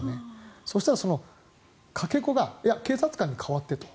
そしたら、かけ子が警察官に代わってと。